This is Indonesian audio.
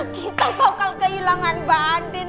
kita bakal kehilangan mbak andin